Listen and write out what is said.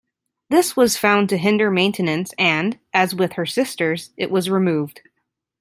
This was found to hinder maintenance and, as with her sisters, it was removed.